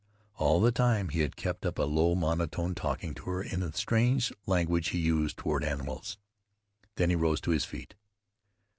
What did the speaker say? All the time he had kept up a low monotone, talking to her in the strange language he used toward animals. Then he rose to his feet.